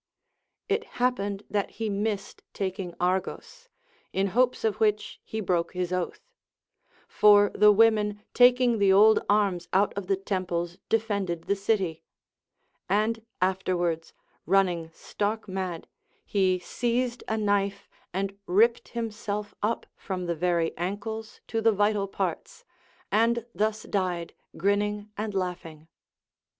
It happened that he missed taking Argos, in hopes of which he broke his oath ; for the women taking the old arms out of the temples defended the city. And afterwards running stark mad, he seized a knife, and ripped himself up from the very ankles to the vital parts, and thus died grinning and laughing.